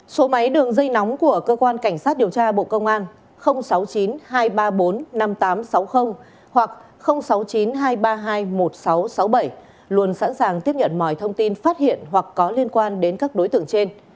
số máy đường dây nóng của cơ quan cảnh sát điều tra bộ công an sáu mươi chín hai trăm ba mươi bốn năm nghìn tám trăm sáu mươi hoặc sáu mươi chín hai trăm ba mươi hai một nghìn sáu trăm sáu mươi bảy luôn sẵn sàng tiếp nhận mọi thông tin phát hiện hoặc có liên quan đến các đối tượng trên